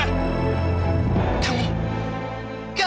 kamu berani menantang saya